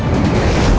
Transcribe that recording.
aku akan menang